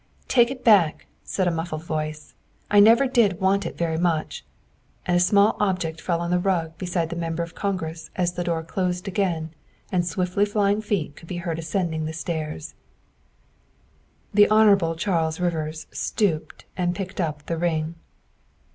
" Take it back," said a muffled voice, " I never did want it very much," and a small object fell on the rug beside the Member of Congress as the door closed again and swiftly flying feet could be heard ascending the stairs. The Hon. Charles Rivers stooped and picked up the ring.